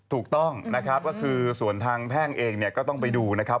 ถูกต้องนะครับก็คือส่วนทางแพ่งเองเนี่ยก็ต้องไปดูนะครับ